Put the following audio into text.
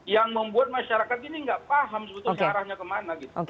yang membuat masyarakat ini tidak paham sebetulnya arahnya kemana